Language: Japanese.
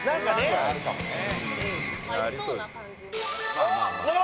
ありそうな感じの。